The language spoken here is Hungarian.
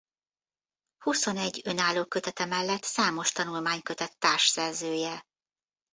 Huszonegy önálló kötete mellett számos tanulmánykötet társszerzője.